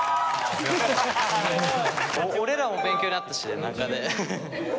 俺らも勉強になったし何かね。